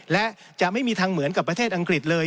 และจะไม่มีทางเหมือนกับประเทศอังกฤษเลย